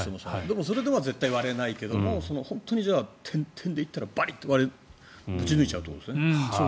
それでは絶対に割れないけどでも、点でいったらバリンとぶち抜いちゃうってことですよね。